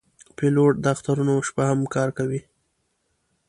پیلوټ د اخترونو شپه هم کار کوي.